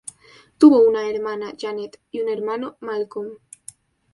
Tuvo una hermana, Janet, y un hermano, Malcolm.